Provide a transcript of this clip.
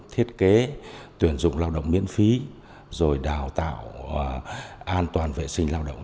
thiết kế tuyển dụng lao động miễn phí rồi đào tạo an toàn vệ sinh lao động